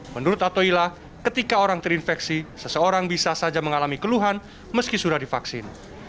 menurut atoila ketika orang terinfeksi seseorang bisa saja mengalami keluhan meski sudah divaksin